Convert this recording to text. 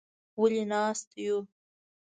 _ولې ناست يو؟